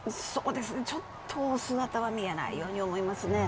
ちょっとお姿は見えないように思いますね。